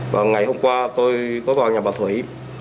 và ngày hôm qua tôi có vào nhà bà thủy